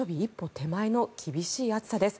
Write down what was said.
手前の厳しい暑さです。